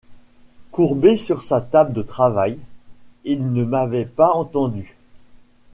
Courbé sur sa table de travail, il ne m’avait pas entendu.